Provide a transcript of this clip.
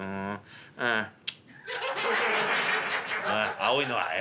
青いのは？」。